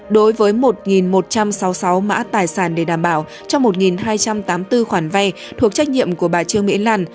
đối với một một trăm sáu mươi sáu mã tài sản để đảm bảo cho một hai trăm tám mươi bốn khoản vay thuộc trách nhiệm của bà trương mỹ lan